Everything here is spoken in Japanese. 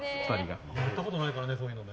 やったことないからねそういうのね。